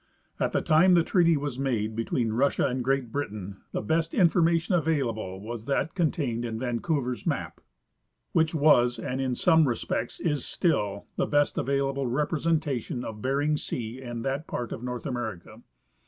At the time the treaty was made between Russia and Great Britain the best information available was that contained in Vancouver's map, which was, and in some re spects is still, the best available representation of Bering sea and that part of North America.